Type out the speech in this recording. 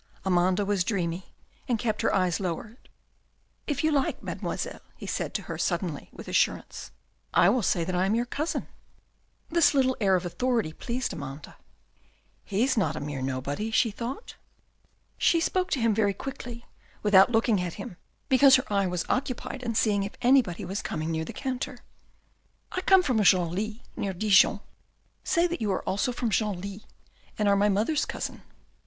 Amanda was dreamy, and kept her eyes lowered. " If you like, Mademoiselle," he said to her suddenly with assurance, " I will say that I am your cousin." This little air of authority pleased Amanda. " He's not a mere nobody," she thought. She spoke to him very quickly, without looking at him, because her eye was occupied in seeing if anybody was coming near the counter. " I come from Genlis, near Dijon. Say that you are also from Genlis and are my mother's cousin."